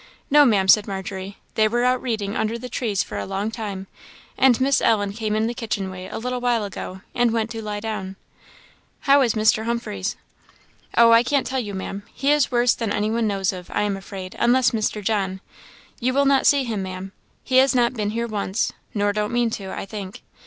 "No, Ma'am," said Margery, "they were out reading under the trees for a long time; and Miss Ellen came in the kitchen way a little while ago, and went to lie down." "How is Mr. Humphreys?" "Oh, I can't tell you, Ma'am he is worse than any one knows of, I am afraid, unless Mr. John; you will not see him, Ma'am; he has not been here once, nor don't mean to, I think.